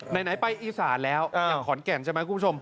ไหนไปอีสานแล้วอย่างขอนแก่นใช่ไหมคุณผู้ชม